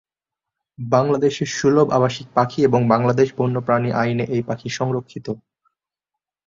বাংলাদেশের সুলভ আবাসিক পাখি এবং বাংলাদেশ বন্যপ্রাণী আইনে এই পাখি সংরক্ষিত।